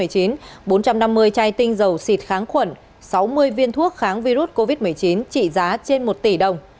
bốn trăm năm mươi chai tinh dầu xịt kháng khuẩn sáu mươi viên thuốc kháng virus covid một mươi chín trị giá trên một tỷ đồng